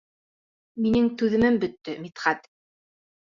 Минең түҙемем бөттө, Мидхәт!